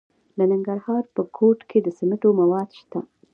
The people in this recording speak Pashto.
د ننګرهار په کوټ کې د سمنټو مواد شته.